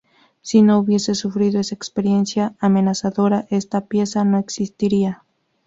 Si no hubiese sufrido esa experiencia amenazadora esta pieza no existiría.